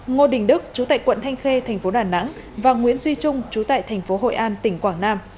ngo đình đức trú tại quận thanh khê thành phố đà nẵng và nguyễn duy trung trú tại thành phố hội an tỉnh quảng nam